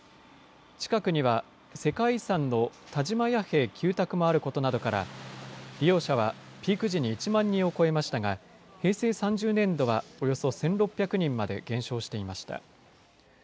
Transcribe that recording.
近くには、世界遺産の田島弥平旧宅もあることなどから、利用者はピーク時に１万人を超えましたが、平成３０年度はおよそ１６００人まで減少していました。